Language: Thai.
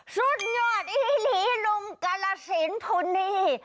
สุดยอดอีหลีลุมกาละชิ้นทุนนี้